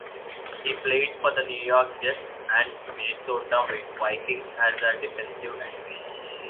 He played for the New York Jets and Minnesota Vikings as a defensive end.